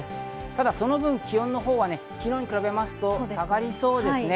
ただその分、気温は昨日に比べますと下がりそうですね。